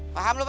paham lo be